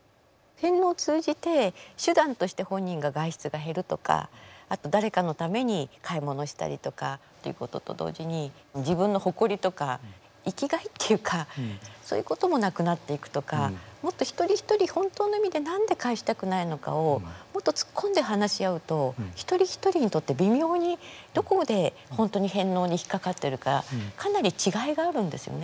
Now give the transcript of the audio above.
返納を通じて手段として本人が外出が減るとか誰かのために買い物をしたりとかっていうことと同時に自分の誇りとか生きがいっていうかそういうこともなくなっていくとかもっと一人一人本当の意味で何で返したくないのかをもっと突っ込んで話し合うと一人一人にとって微妙にどこで本当に返納に引っ掛かってるかかなり違いがあるんですよね。